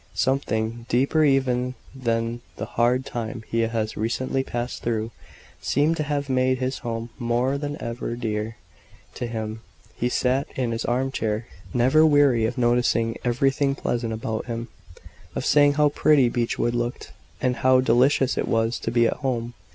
Something, deeper even than the hard time he had recently passed through, seemed to have made his home more than ever dear to him. He sat in his arm chair, never weary of noticing everything pleasant about him, of saying how pretty Beechwood looked, and how delicious it was to be at home.